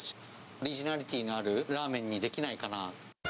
オリジナリティーのあるラーメンにできないかな。